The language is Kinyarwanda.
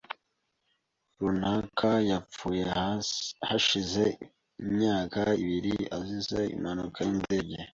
rukara yapfuye hashize imyaka ibiri azize impanuka yindege .